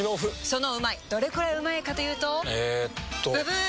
そのうまいどれくらいうまいかというとえっとブブー！